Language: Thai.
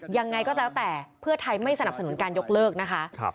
ยังไงก็แล้วแต่เพื่อไทยไม่สนับสนุนการยกเลิกนะคะ